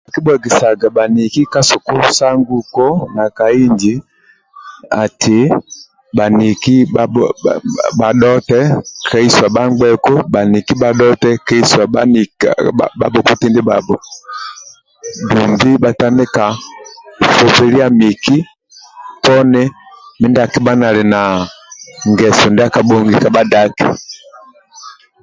Kibhuegesaga bhaniki ka sukulu sa nguko na ka inji ati bhaniki bha bha bhadhote keiso bhangbeku bhaniki bhadhote keisoa bhani bhabhokoti ndibhabho dumbi bhatandika sosolia miki mindia akibha nali na ngeso ndia kabhongi ka bhadaki